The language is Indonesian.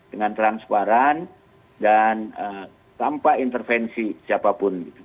dengan transparan dan tanpa intervensi siapapun